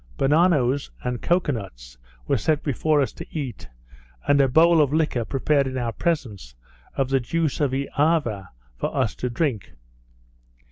Bananoes and cocoa nuts were set before us to eat, and a bowl of liquor prepared in our presence of the juice of Eava for us to drink.